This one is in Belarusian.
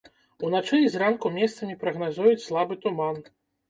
Уначы і зранку месцамі прагназуюць слабы туман.